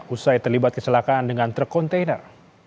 usai terlibat kecelakaan dengan truk kontainer